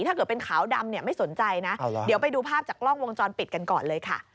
ถ้าเกิดเป็นขาวดำเนี่ยไม่สนใจนะเดี๋ยวไปดูภาพจากกล้องวงจรปิดกันก่อนเลยค่ะ